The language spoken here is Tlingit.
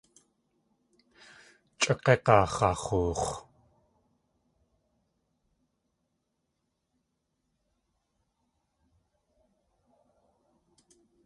Chʼa g̲ég̲aa x̲ax̲oox̲.